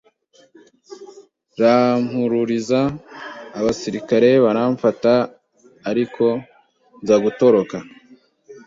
rampururiza abasirikare baramfata ariko nza gutoroka